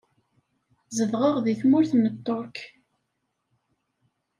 Zedɣeɣ di tmurt n Tterk